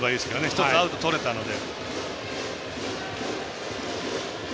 １つ、アウトとれたので。